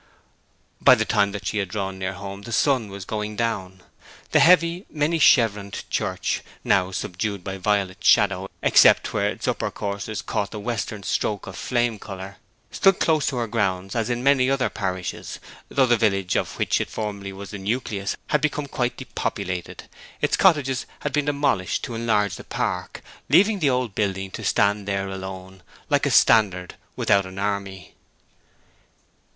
By the time that she had drawn near home the sun was going down. The heavy, many chevroned church, now subdued by violet shadow except where its upper courses caught the western stroke of flame colour, stood close to her grounds, as in many other parishes, though the village of which it formerly was the nucleus had become quite depopulated: its cottages had been demolished to enlarge the park, leaving the old building to stand there alone, like a standard without an army.